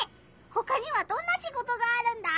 ほかにはどんなシゴトがあるんだ？